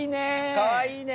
かわいいね。